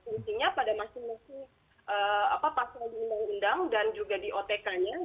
fungsinya pada masing masing pasal di undang undang dan juga di otk nya